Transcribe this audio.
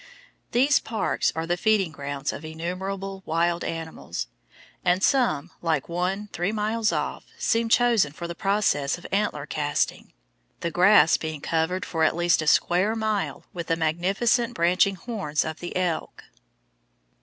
These parks are the feeding grounds of innumerable wild animals, and some, like one three miles off, seem chosen for the process of antler casting, the grass being covered for at least a square mile with the magnificent branching horns of the elk.